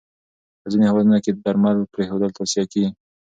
په ځینو هېوادونو کې درمل پرېښودل توصیه کېږي.